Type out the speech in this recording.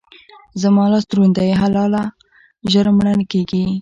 زما لاس دروند دی؛ حلاله ژر مړه نه کېږي.